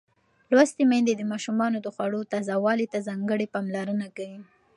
لوستې میندې د ماشومانو د خوړو تازه والي ته ځانګړې پاملرنه کوي.